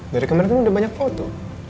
dari kemarin kan udah banyak foto